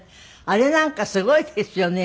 あれなんかすごいですよね。